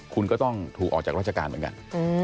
คุณก็ต้องถูกออกจากราชการเหมือนกัน